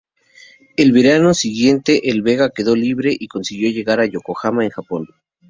El verano siguiente el Vega quedó libre y consiguió llegar a Yokohama, en Japón.